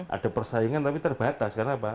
ada persaingan tapi terbatas kenapa